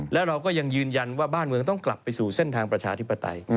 แล้วเราก็ยังยืนยันว่าบ้านเมืองต้องกลับไปสู่เส้นทางประชาธิปไตย